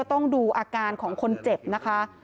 ต้องดูอาการของคนเจ็บนะคะ